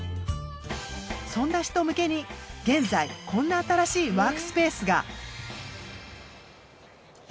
そんな人向けに現在こんな新しいワークスペースが。